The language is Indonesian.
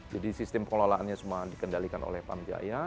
jadi sistem pengolahannya semua dikendalikan oleh pam jaya